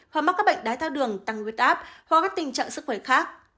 hoặc mắc các bệnh đái thao đường tăng huyết áp hoặc các tình trạng sức khỏe khác